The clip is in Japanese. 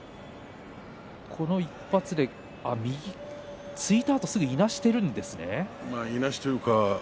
この一発であっ、突いたあとすぐいなしているんですね。